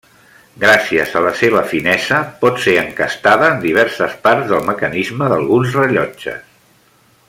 Gràcies a la seva finesa, pot ser encastada en diverses parts del mecanisme d'alguns rellotges.